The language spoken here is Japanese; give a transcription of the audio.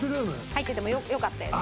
入っててもよかったよね。